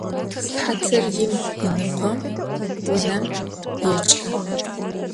Sıhatır yim ınıkhom vunem yêç'ı.